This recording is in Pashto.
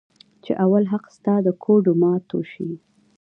چې اول حق ستا د ګوډو ماتو شي.